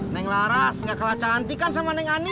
neng laras nggak kalah cantikan sama neng ani